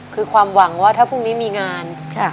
คือความหวังว่าถ้าพรุ่งนี้มีงาน